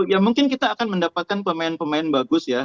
ya mungkin kita akan mendapatkan pemain pemain bagus ya